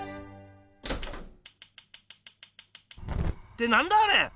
ってなんだあれ！